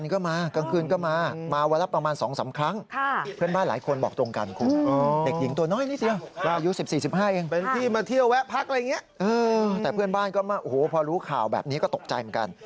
เขาบอกว่ามาตลอดทั้งกลางวันกลางคืนเลย